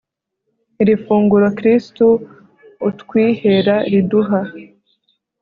iri funguro kristu utwihera riduha